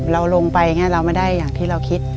เราลงไปเราไม่ได้อย่างที่เราคิด